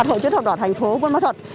hội chứa thập đỏ thành phố bông an thuật